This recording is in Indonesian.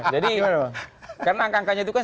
jadi karena angka angkanya itu kan